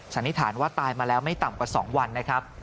สันนิษฐานว่าตายมาแล้วไม่ต่ำกว่า๒วันนะครับ